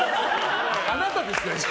あなたですよ！